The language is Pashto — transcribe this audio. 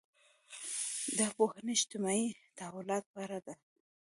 دا پوهنې اجتماعي تحولاتو په اړه دي.